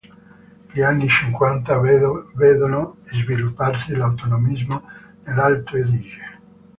Gli anni cinquanta vedono svilupparsi l'autonomismo nell'Alto-Adige.